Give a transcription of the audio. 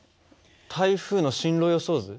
台風の進路予想図？